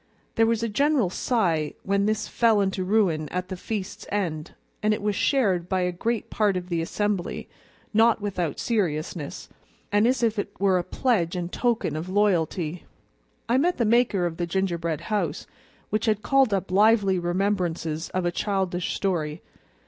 There was a general sigh when this fell into ruin at the feast's end, and it was shared by a great part of the assembly, not without seriousness, and as if it were a pledge and token of loyalty. I met the maker of the gingerbread house, which had called up lively remembrances of a childish story.